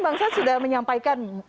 bang said sudah menyampaikan